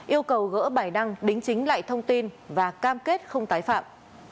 yêu cầu gỡ bài đăng đính chính lại thông tin và cam kết không tái phạm